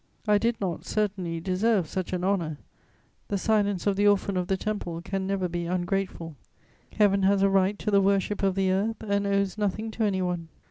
I did not, certainly, deserve such an honour. The silence of the orphan of the Temple can never be ungrateful: Heaven has a right to the worship of the earth and owes nothing to any one.